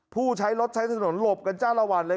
ผู้ใช้รถใช้ถนนหลบกันจ้าละวันเลย